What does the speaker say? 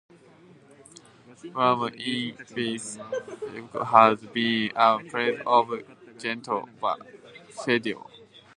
Born in Venice, Jacopo had been a pupil of Gentile da Fabriano.